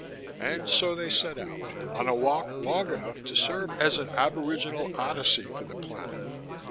And so they set out on a walk long enough to serve as an aboriginal Odyssey for the planet.